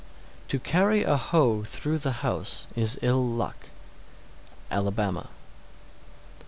_ 707. To carry a hoe through the house is ill luck. _Alabama.